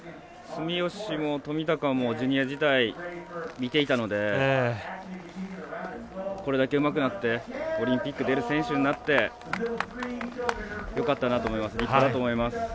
住吉も冨高もジュニア時代見ていたのでこれだけ、うまくなってオリンピック出る選手になってよかったなと思います。